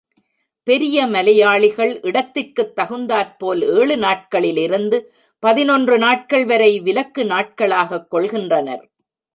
பெரிய மலையாளிகள் இடத்திற்குத் தகுந்தாற்போல் ஏழு நாட்களிலிருந்து பதினொன்று நாட்கள் வரை விலக்கு நாட்களாகக் கொள்கின்றனர்.